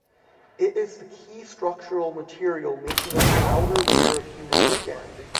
It is the key structural material making up the outer layer of human skin.